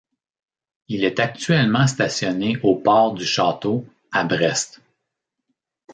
Il est actuellement stationné au Port du Château à Brest.